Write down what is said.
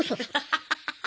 ハハハハハ！